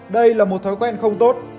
đây là một thói quen không tốt